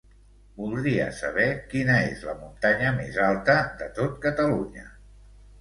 Voldria saber quina és la muntanya més alta de tot Catalunya.